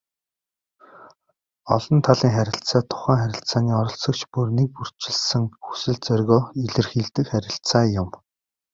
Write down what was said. Олон талын харилцаа тухайн харилцааны оролцогч бүр нэгбүрчилсэн хүсэл зоригоо илэрхийлдэг харилцаа юм.